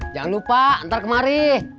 jangan lupa ntar kemari